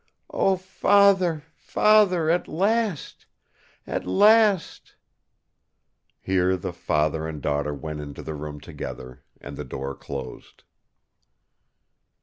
"O Father, Father! At last! At last!" Here the father and daughter went into the room together, and the door closed.